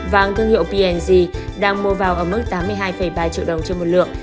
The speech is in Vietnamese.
vàng thương hiệu p g đang mua vào ở mức tám mươi hai ba triệu đồng trên một lượng